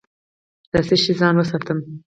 له څه شي ځان وساتم؟